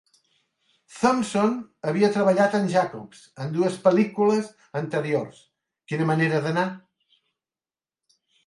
Thompson havia treballat amb Jacobs en dues pel·lícules anteriors, quina manera d'anar!